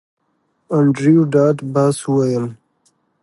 انډریو ډاټ باس وویل